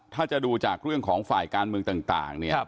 ถ้าจะดูจากเรื่องของฝ่ายการเมืองต่างเนี่ย